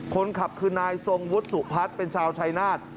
คนขับคือนายทรงวุฒิสุพัฒน์เป็นชาวชายนาฏ